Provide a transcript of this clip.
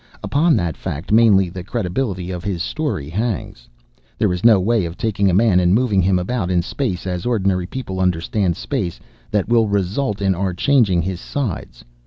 Upon that fact mainly the credibility of his story hangs. There is no way of taking a man and moving him about in space as ordinary people understand space, that will result in our changing his sides.